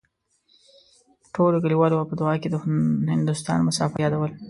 ټولو کليوالو به په دعاوو کې د هندوستان مسافر يادول.